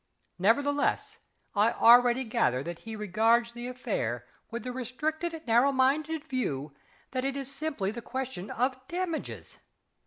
Nevertheless, I already gather that he regards the affair with the restricted narrowminded view that it is simply the question of damages....